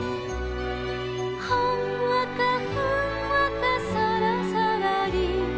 「ほんわかふんわかそろそろり」